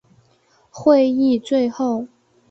会议最后